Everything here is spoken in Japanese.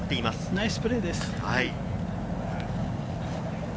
ナイスプレーです。